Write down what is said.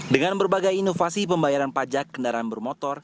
dengan berbagai inovasi pembayaran pajak kendaraan bermotor